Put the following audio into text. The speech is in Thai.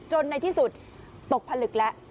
ในที่สุดตกผลึกแล้ว